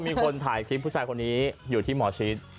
มีคนถ่ายคลิปผู้ชายคนนี้อยู่ที่หมอชิด